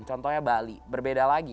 contohnya bali berbeda lagi